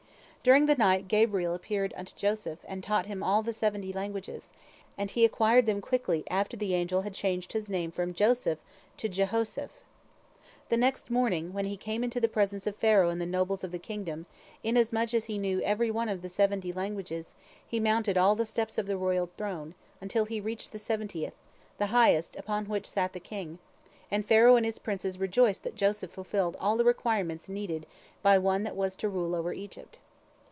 During the night Gabriel appeared unto Joseph, and taught him all the seventy languages, and he acquired them quickly after the angel had changed his name from Joseph to Jehoseph. The next morning, when he came into the presence of Pharaoh and the nobles of the kingdom, inasmuch as he knew every one of the seventy languages, he mounted all the steps of the royal throne, until he reached the seventieth, the highest, upon which sat the king, and Pharaoh and his princes rejoiced that Joseph fulfilled all the requirements needed by one that was to rule over Egypt.